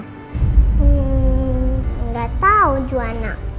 tidak tahu juwana